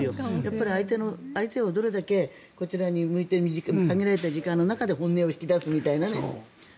相手をどれだけこちらに向いて、限られた時間で本音を引き出すみたいな。